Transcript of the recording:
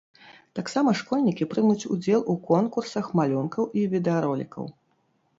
Таксама школьнікі прымуць удзел у конкурсах малюнкаў і відэаролікаў.